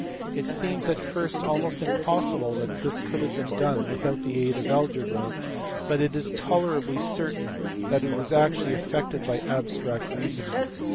It seems at first almost impossible that this could have been done without the aid of algebra, but it is tolerably certain that it was actually effected by abstract reasoning.